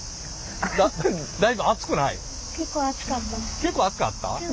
結構熱かった？